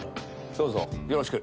どうぞよろしく。